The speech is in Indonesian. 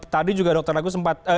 tadi juga dr agus sempat